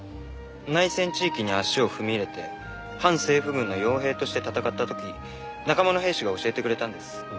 内戦地域に足を踏み入れて反政府軍の傭兵として戦った時仲間の兵士が教えてくれたんです。